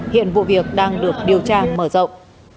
hiện vụ việc đang được điều tra mở rộng